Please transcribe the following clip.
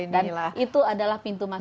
dan itu adalah pintu masuknya